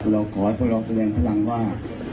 เราขอให้พวกเราแสดงพลังว่า